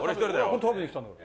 食べに来たんだから。